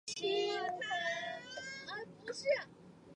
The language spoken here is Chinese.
基督教使徒保罗出生于当时奇里乞亚的首府塔尔苏斯。